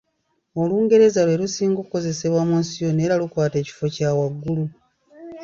Olungereza lwe lusinga okukozesebwa mu nsi yonna era lukwata kifo kyawaggulu.